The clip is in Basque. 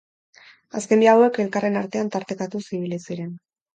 Azken bi hauek elkarren artean tartekatuz ibili ziren.